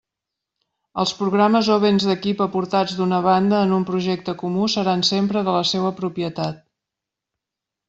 Els programes o béns d'equip aportats d'una banda en un projecte comú seran sempre de la seua propietat.